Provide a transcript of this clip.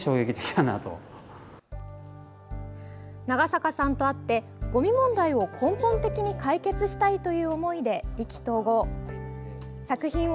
長坂さんと会ってごみ問題を根本的に解決したいという思いで意気投合。